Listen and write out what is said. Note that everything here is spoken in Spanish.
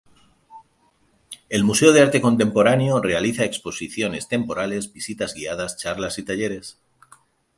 El Museo de Arte Contemporáneo realiza exposiciones temporales, visitas guiadas, charlas y talleres.